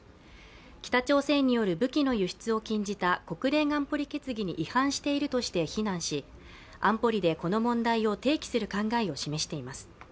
北朝鮮による武器の輸出を禁じた国連安保理決議に違反しているとして非難し安保理でこの問題を提起する考えを示しています。